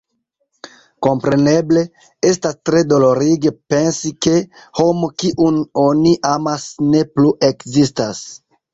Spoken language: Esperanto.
Kompreneble, estas tre dolorige pensi, ke homo, kiun oni amis, ne plu ekzistas.